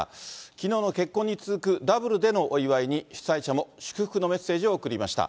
きのうの結婚に続くダブルでのお祝いに、主催者も祝福のメッセージを送りました。